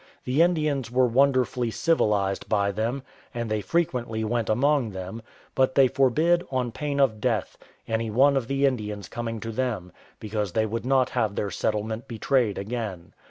The Indians were wonderfully civilised by them, and they frequently went among them; but they forbid, on pain of death, any one of the Indians coming to them, because they would not have their settlement betrayed again.